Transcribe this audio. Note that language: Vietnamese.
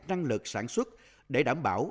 năng lực sản xuất để đảm bảo